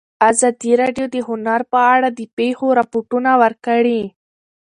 ازادي راډیو د هنر په اړه د پېښو رپوټونه ورکړي.